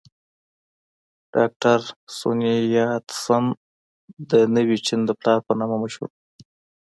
ډاکټر سون یات سن د نوي چین د پلار په نامه مشهور و.